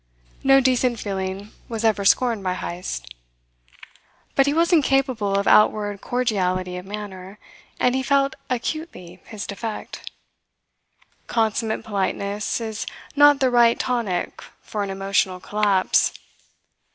No decent feeling was ever scorned by Heyst. But he was incapable of outward cordiality of manner, and he felt acutely his defect. Consummate politeness is not the right tonic for an emotional collapse.